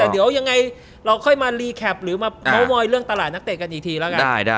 แต่เดี๋ยวยังไงเราค่อยมารีแคปหรือมาเมาส์มอยเรื่องตลาดนักเตะกันอีกทีแล้วกัน